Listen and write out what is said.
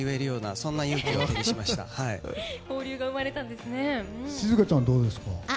静香ちゃん、どうですか。